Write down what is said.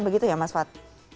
begitu ya mas fad